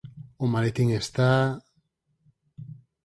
O maletín está...